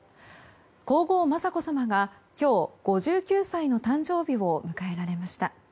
皇后・雅子さまが今日５９歳の誕生日を迎えられました。